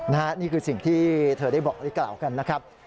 นี่คือสิ่งที่เธอได้บอกได้กล่าวกันนะครับ